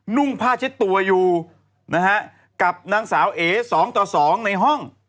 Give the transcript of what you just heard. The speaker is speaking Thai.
นุ่งผ้าเช็ดตัวอยู่นะฮะกับนางสาวเอ๋สองต่อสองในห้อง